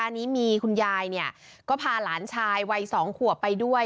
อันนี้มีคุณยายก็พาหลานชายวัย๒ขวบไปด้วย